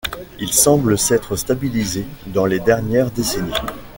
Il semble s'être stabilisé dans les dernières décennies.